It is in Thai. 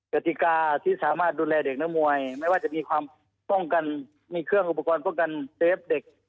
กติกาที่สามารถดูแลเด็กนักมวยไม่ว่าจะมีความป้องกันมีเครื่องอุปกรณ์ป้องกันเซฟเด็ก